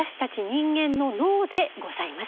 人間の脳でございます。